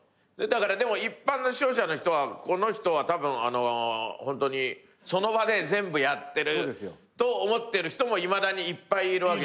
でも一般の視聴者の人はこの人はたぶんその場で全部やってると思ってる人もいまだにいっぱいいるわけじゃない。